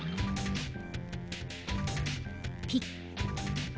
ピッ。